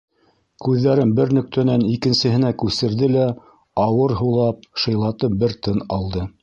Күҙҙәрен бер нөктәнән икенсеһенә күсерҙе лә, ауыр һулап, шыйлатып бер тын алды.